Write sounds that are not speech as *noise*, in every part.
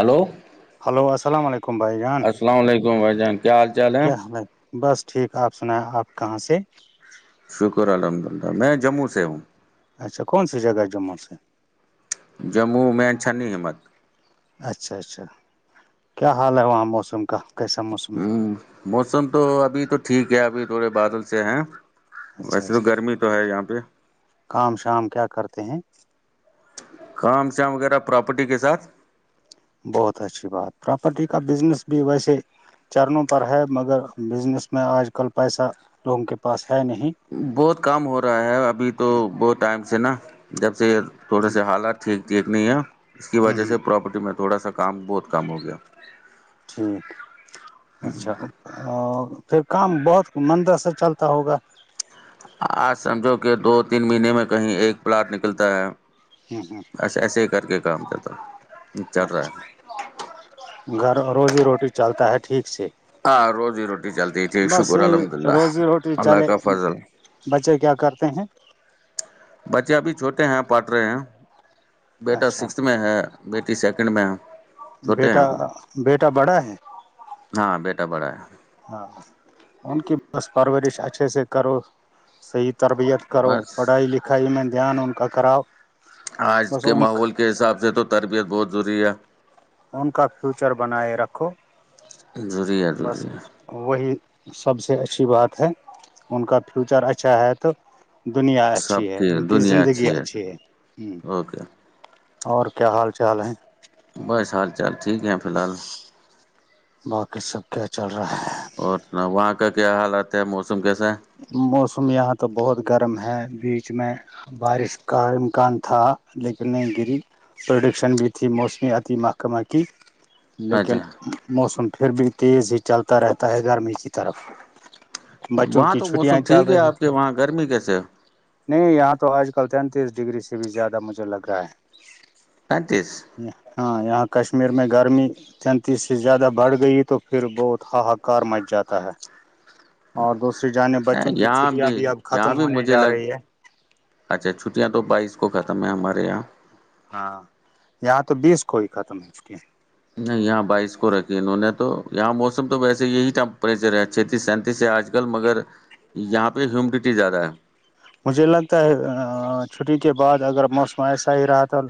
Hello hello السلام علیکم بھائی جان السام علیکم بھائی جان کیا حال چال ہے کیا حال بس ٹھیک آپ سنایں آپ کہاں سے شکر الحمد للہ میں جموں سے ہوں اچھا کون سی جگہ جموں سے جموں میں چھننی ہمت اچھا اچھا کیا حال ہے وہاں موسم کا کیسا موسم ہے ہوں موسم تو ابھی تو ٹھیک ہے ابھی تھوڑے بادل سے ہیں اچھا ویسے تو اچھا گرمی تو ہے یہاں پہ کام شام کیا کرتے ہیں کا شام وغیرہ پراپرٹی کے ساتھ بہت اچھی بات پراپرٹی کا بزنس بھی ویسے چرنوں پر ہے مگر بزنس میں آج کل پیسہ لوگوں کے پاس ہے نہیں بہت کام ہو رہا ہے ابھی تو بہت ٹائم سے نا جب سے تھوڑے سے حالات ٹھیک ٹھیک نہیں ہے اس کی ہ وجہ ہ سے پراپرٹی میں تھوڑا سا کام بہت کم ہو گیا ٹھیک اچھا اور پھر کام بہت مندر سے چلتا ہوگا آج سمجھو کہ دو تین مہینے میں کہیں ایک پلاٹ نکلتا ہے ہ ایسے ایسے ہی کر کے کام چلتا چل رہا ہے گھر روزی روٹی چلتا ہے ٹھیک سے ہاں روزی روٹی چلتی تھی بس شکر الحمد یہ اللہ روزی روٹی اللہ چلے کا فضل بچے کیا کرتے ہیں بچے ابھی چھوٹے ہیں پٹ رہے ہیں بیٹا اچھا سکسھ میں ہے بی تری سیکنڈ میں چھوٹے ہیں بیٹا ابھی بیٹا بڑا ہے ہاں بیٹا بڑا ہے ہاں ان کی بس پرورش اچھے سے کرو صحی تربیت کرو بس پڑھائی لکھائی میں دھیان ان کاا کراؤ آج بس کے ان ماحول کے حساب سے تو تربیت بہت ضروری ہے ان کا فیوچر بنائے رکھو دوریا بس دوریا وہی سب سے اچھی بات ہے ان کا فیوچر اچھا ہے تو دنیا اچھی ہے ان کی زندگی اچھی ہے ہ اوکے اور کیا حال چال ہیں بس حال چال ٹھیک ہے فی الحال *unintelligible* باقی سب کیا چل رہا ہے اور وہاں کا کیا حالات ہے موسم کیسے موسم یہاں تو بہت گرم ہے بیچ میں بارش کا امکان تھا لیکن نہیں گری پروڈکشن بھی تھی موسمی عتی محکمہ کی ہے اچھا لیکن موسم پھر بھی تیز ہی چلتا رہتا ہے گرمی کی طرف بچوں وہاں کی تو موسم چھٹیاں چل ٹھیک ہے رہی آپ کے تھیں وہاں گرمی کیسے نہیں یہاں تو آج کل تینتیس ڈگری سے بھی زیادہ مجھے لگ رہا ہے پینتیس ہاں یہاں کشمیر میں گرمی چینتیس سے زیادہ بڑھ گئی تو پھر بہت ہاہاکار مچ جاتا ہے *unintelligible* اور دوسری جانب بچوں کی یہاں چھٹیاں بھی اب یہاں ختم بھی ہونے مجھے جا لگ رہی ہے اچھا چھٹیاں تو بائیس کو ختم ہے ہمارے یہاں ہاں یااں تو بیس کو ہی ختم ہے اس کے نہیں یہاں بائیس کو رکھی انہوں نے تو یہاں موسم تو ویسے یہی ٹیمپریچر ہے چھتیس سینتیس سے آج مگر یہاں پہ ہیومڈٹی زیادہ ہے مجھے لگتا ہے چھٹی کے بعد اگر موسم ایسا ہی رہا تھا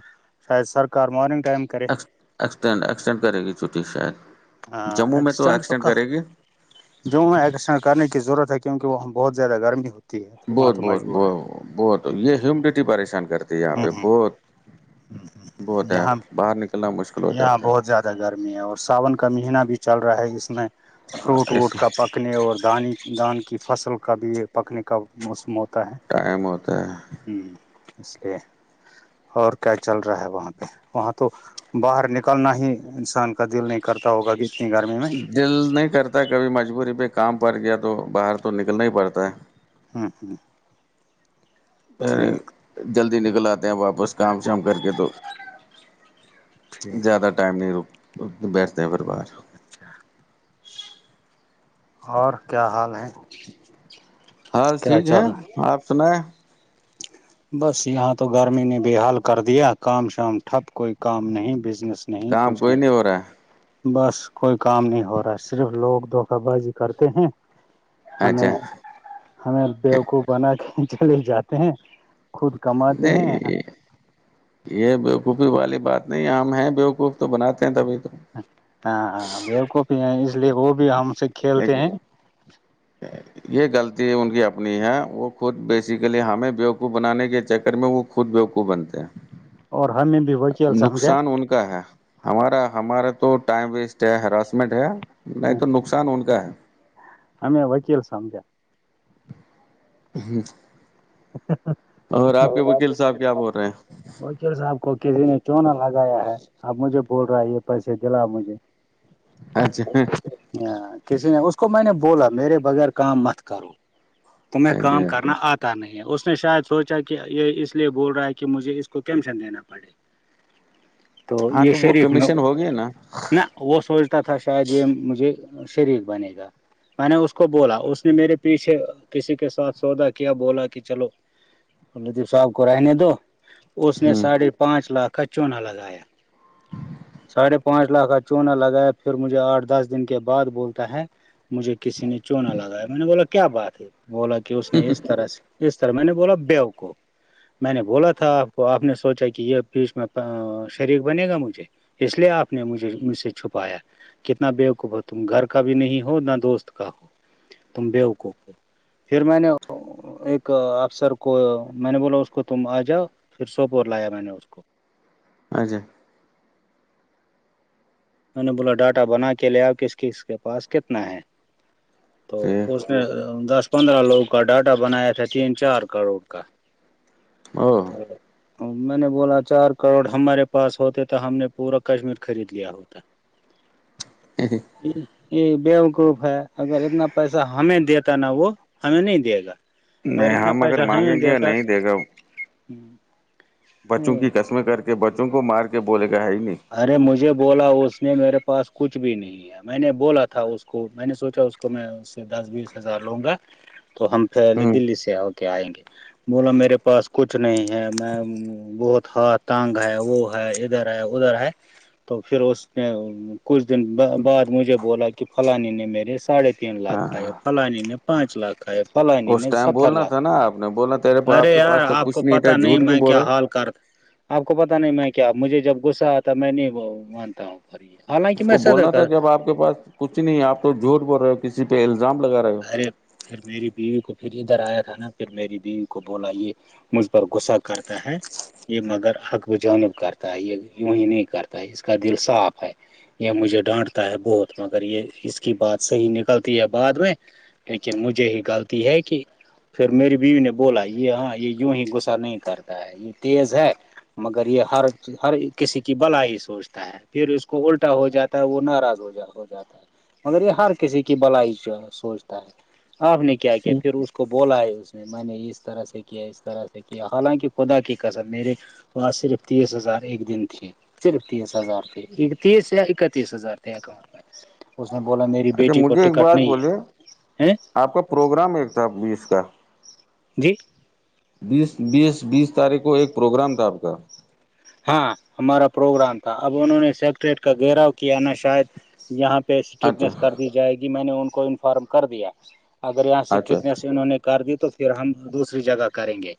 شاید سرکارنگ ٹائم ایکسین ایکسٹینڈ کرے گی چھٹی شاید جموں میں تو ایکسیڈنٹ ایکسٹینڈ کہاں کرے گی جو وہاں ایکسن کرنے کی ضرورت ہے کیونکہ وہاں بہت زیادہ گرمی ہو ہے تو وہاں بہت تو بہت ب مجبور بہت یہ ہیمیڈیٹی پریشان کرتی ہے یہاں پہ بہت ہ ہ ہ بہت ہے یہاں باہر نکلنا مشکل ہو یہاں جاتا بہت زیادہ گرمی ہے اور ساون کا مہینہ بھی چل رہا ہے اس میں فروٹ ہے اس ووٹ کا پک پکنے اور دان دان کی فصل کا بھی پکنے کا موسم ہوتا ہے ٹائم ہوتا ہے ہ اس لیے اور کیا چل رہا ہے وہاں پہ وہاں تو باہر نکلنا ہی انسان کا دل نہیں کرتا ہوگا کہ اچھی گرمی میں دل نہیں کرتا کبھی مجبوری پہ کام پڑ گیا تو باہر تو نکلنا ہی پڑتا ہے ہوں ہوں پے ٹھیک جلدی نکل آتے ہیں واپس کام شام کر کے تو ٹھیک زیاد ٹم نہیں ر بیٹستے پر بار اور کیا حال ہے حال کیا ٹھیک ہیں چال آپ سنائیں بس یہاں تو گرمی نے بےحال کر دیا کام شام ٹھپ کوئی کام نہیں بزنس نہیں کام کچھ کوئی نہیں ہو رہا بس کوئی کام نہیں ہو رہا ہے صرف لوگ دوکہ بازی کرتے ہیں ہے ہمیں اچھا ہمیں بوقوف بنا کے چلے جاتے ہیں خود کماتے ہیں نہیں یہ بوقوفی والی بات نہیں ہم ہیں بوقوف تو بناتے ہیں تبھی تو ہاں ہاں بل کوپی ہے اس لیے وہ بھی ہم سے یک کھیلتے ہیں یہ غلطی ان کی اپنی ہے وہ خود بیسیکلی ہمیں بیو کو بنانے کے چکر میں وہ خود بیوقوع بنتے ہیں اور ہمیں بھی وکیل سمجھا نقصان ان کا ہے ہمارا ہمارا تو ٹائم ویسٹ ہے ہراسمنٹ ہے نہیں ہیں تو نقصان ان کا ہے ہمیں وکیل سمجھیا ہ اور آپ کے وکیل صاحب کیا بول رہے ہیں وکیل صاحب کو کسی نے کی نہ لگایا ہے آب مجھے بول رہا ہے یہ پیسے دلا مجھے اچھا ہ کسی نے اس کو میں نے بولا میرے بغیر کام مت کرو تو میں کام اچھا کرنا آ نہیں ہے اس نے شاید سوچا کہ یہ اس لیے بول رہا ہے کہ مجھے اس کو کیمشن دینا پڑے ہاں یہ تو وہ شریک میں کمیشن ہو گیا نا نہ وہ سوچتا تھا شاید یہ مجھے شریک بنے گا میں نے اس کو بولا اس نے میرے پیچھے کسی کے ساتھ سودا کیا بولا کہ چلو الدیپ صاحب کو رہنے دو اس نے ہوں ساڑھے پانچ لاکھ کچوں نہ لگایا ہ ساڑھے پانچ لاکھ کا چونا لگایا پھر مجھے آٹھ دس دن کے بعد بولتا ہے مجھے کسی نے چو نہ لگایا میں نے بولا کیا بات ہے بولا کہ اس نے اس طرح اس طرح میں نے بولا بو کو میں نے بولا تھا آپ کو آپ نے سوچا کہ یہ پچ میں شریک بنے گا مجھے اس لیے آپ نے مجھے مجھ سے چھپایا کتنا بےقوف ہو تم گھر کا بھی نہیں ہو نہ دوست کا ہو تم بےوقوق ہو پھر میں نے ایک افسر کو میں نے بولا اس کو تم آ جاؤ پھر سوپور لایا میں نے اس کو اچھا میں نے بولا ڈاٹا بنا کے لے آؤ ک اس کی اس کے پاس کتنا ہے تو ٹھیک اس دس پندرہ لوگ کا ڈاٹا بنایا تھا تین چار کروڑ کا ہو تو میں نے بولا چار کروڑ ہمارے پاس ہوتے تو ہم نے پورا کشمیر خرید لیا ہوتا یہ یہ بےوقوف ہے اگر اتنا پیسہ ہمیں دیتا نا وہ ہمیں نہیں دے گا اگر نہیں اتنا ہم پیسہ ہے مانگیں د گے س ہ نہیں دے گا بچوں کی کسمیں کر کے بچوں کو مار کے بولے گا ہے ہی نہیں ارے مجھے بولا اس نے میرے پاس کچھ بھی نہیں میں نے بولا تھا اس کو میں نے سوچا اس کو میں اس سے دس بیس ہزار لوں گا تو ہم پہلے ہوں دلی سے ہو کے آئیں گے بولا میرے پاس کچھ نہیں ہے میں بہت ہاتھ ٹانگ ہے وہ ہے ادھر ہے ادھر ہے تو پھر اس نے کچھ دن بعد مجھے بولا کہ فلانی نے میرے ساڑھے تین لاکھ کھایا ہاں فلانی نے پانچ لاکھ ہے پ نہیں اس نہیں ٹائم ستر بولنا لاکھ تھا نا آپ نے بولنا تیرے آپ ارے کے یار پاس تو آپ کو کچھ تھا پتا نہیں جھوٹ کیوں میں بول کیا رہے ہو. حال کر آپ کو پتا نہیں میں کیا مجھے جب غصہ آتا میں نہیں مانتا ہوں فری ہے ہ تو بولنا تھا جب آپ کے پاس کچھ نہیں آپ تو جھوٹ بول رہے ہو کسی پہ الزام لگا رہے ہو ارے پھر میری بیوی کو پھر ادھر آیا تھا نا پھر میری بیوی کو بولا یہے مجھ پر غصہ کرتا ہے یہ مگر حقب و جانب کرتا ہے یہ یون ہی نہیں کرتا ہے اس کا دل صاف ہے یہ مجھے ڈانٹتا ہے بہت مگر یہ اس کی بات صحیح نکلتی ہے بعد میں لیکن مجھے یہ غلطی ہے کہ پھر میری بیوی نے بولا یہ ہاں یہ یوں ہی غصہ نہیں کرتا ہے یہ تیز ہے مگر یہ ہر ہر کسی کی بلا ہی سوچتا ہے پھر اس کو الٹا ہو جاتا ہے وہ ناراض ہو ہو جاتا ہے مگر یہ ہر کسی کی بلائی سوچتا ہے آپ نے کیا کیا پھر اس کو بولا ہے اس میں نے اس طرح سے کیا اس طرح سے کیا حالانکہ خدا کی کسر میرے وہاں صرف تیس ہزار ایک دن تے صرف تیس ہزار ت اکتیس اکتیس ہزار ت اکاٹ اس نے بولا میری اچھا بیٹی کو مجھے ایک ٹکٹ بات نہیں ہے بولے ہے آپ کا پروگرام ایک تھا بیس کا جی بیس بیس بیس تاریخ کو ایک پروگرام تھا آپ کا ہاں ہمارا پروگرام تھا اب انہوں نے سیکٹریٹ کا گراؤ کیا نا شاید یہاں اچھا اسٹرکٹنیس کر دی جائے گی میں نے ان کو انفارم کر دیا اگر یہاں اچھا اسٹرکنیس انہوں نے کر دی تو پھر ہم دوسری جگہ کریں گے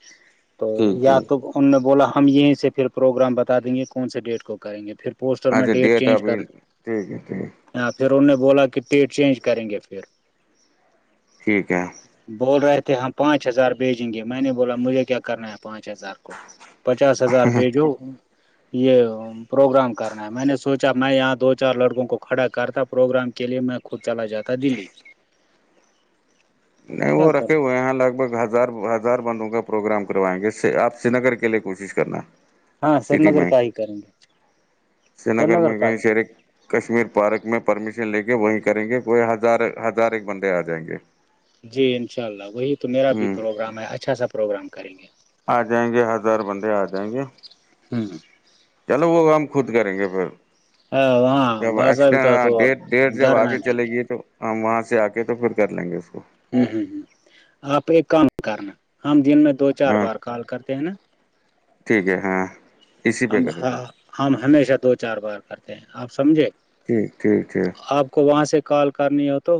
تو ٹھیک یا ٹھیک تو ان نے بولا ہم یہیں سے پھر پروگرام بتا دیں گے کون سے ڈیٹ کو کریں گے پھر پوسٹر میں اچھا ڈیٹ چینج ابھی کر ٹھیک ہے ٹھیک ہاں پھر ان نے بولا کہ پیٹ چینج کریں گے پھر ٹھیک ہے بول رہے تھے ہم پانچ ہزار بھیجیں گے میں نے بولا مجھے کیا کرنا ہے پانچ ہزار پچاس ہزار بھیجو یہ پروگرام کرنا ہے میں نے سوچا میں یہاں دو چار لڑکوں کو کھڑا کرتا پروگرام کے لیے میں کو چلا جاتا دلی نہیں کیا وہ کروں رکھے ہوئے یہاں لگ بھگ ہز ہزار بندوں کا پروگرام کروائیں گے آپ سری نگر کے لیے کوشش کرنا ہاں سری سٹی نگر میں کا ہی کریں گے سری نگر میں کہیں شہر ایک کشمیر پارک میں پرمیشن لے کے وہیں کریں گے کوئی ہزار ہزار ایک بندے آ جائیں گے جی انشاء اللہ وہی تو میرا بھی ہوں پروگرام ہے اچھا سا پروگرام کریں گے آ جائیں گے ہزار بندے آ جائیں گے ہوں ہ چلو وہ ہم خود کریں گے پھر ہاں جب باضابطہ طور ڈیٹ ڈیٹ جب دھرنا آگے دیں چلے گے گی تو ہم وہاں سے آ کے تو پھر کر لیں گے اس کو ہوں ہ ہ آپ ایک کام کرنا ہم دن میں دو چار ہاں بار کال کرتے ہیں نا ٹھیک ہے ہاں اسی پہ ہم کریں ہ گے ہم ہمیشہ دو چار بار کرتے ہیں آپ سمجھے ٹھیک ٹھیک ٹھیک آپ کو وہاں سے کال کرنی ہو تو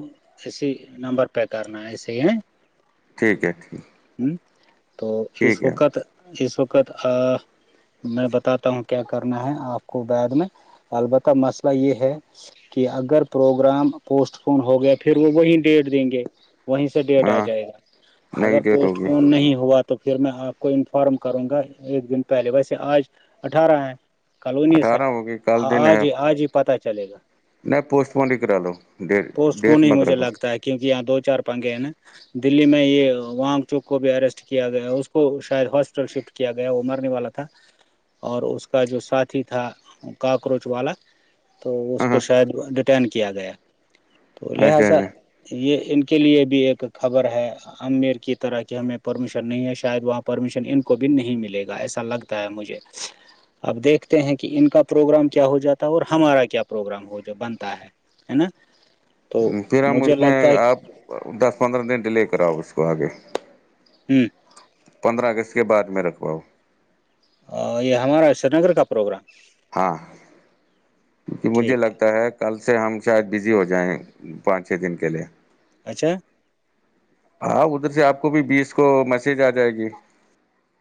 اسی نمبر پہ کرنا ہے ایسے ہی ہیں ٹھیک ہے ٹھیک ہوں تو اس ٹھیک ہے وقت اس وقت آ میں بتاتا ہوں کیا کرنا ہے آپ کو بعد میں البتہ مسئلہ یہ ہے کہ اگر پروگرام پوسٹ پون ہو گیا پھر وہ وہی ڈیٹ دیں گے وہیں سے ڈیٹ آ ہاں جائے گا نئی اگر ڈیٹ پوسٹ ہوگی پون نہیں نہیں ہوا تو پھر میں آپ کو انفارم کروں گا ایک دن پہلے ویسے آج اٹھارہ ہیں کالونی سے اٹھارہ ہوگی کل دن ہے آج ہی آج ہی پتا چلے گا نہیں پوسٹ پورن ہی کرا لو ڈیٹ پوسٹ فون ڈیٹ ہی مت مجھے رکھو لگتا ہے کیونکہ یہاں دو چار پنگے ہیں ن دللی میں یہ وانگ چوک کو بھی ارسٹ کیا گیا اس شاید ہاسپٹل شفٹ کیا گیا وہ مر نے والا تھا اور اس کا جو ساتھی تھا کاکروچ والا تو اس ہاں کو ہاں شاید ڈیٹین کیا گیا تو اچھا لہذا اچھا یہ ان کے لیے بھی ایک خبر ہے امیر کی طرح کہ ہمیں پرمیشن نہیں ہے شاید وہاں پرمیشن ان کو بھی نہیں ملے گا ایسا لگتا ہے مجھے ہاں اب دیکھتے ہیں کہ ان کا پروگرام کیا ہو جاتا ہے اور ہمارا کیا پروگرام ہو ج بنتا ہے ہے نا تو پھر ہم مجھے اس میں لگتا ہے آپ دس پندرہ دن ڈیلے کراؤ اس کو آگے ہوں پندرہ اگست کے بعد میں رکھواؤ یہ ہمارا سری نگر کا پروگرام ہاں کہ مجھے لگتا ہے کل سے ہم شاید بزی ہو جائیں پانچ چھ دن کے لیے اچھا ہاں ادھر سے آپ کو بھی بیس کو میسج آ جائے گی